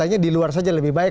hanya di luar saja lebih baik